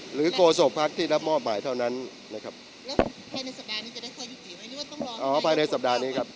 หรือก็โศกพักษ์ที่รับหม้อมหมายเท่านั้นนะครับ